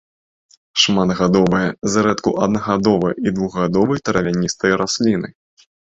Шматгадовыя, зрэдку аднагадовыя і двухгадовыя травяністыя расліны.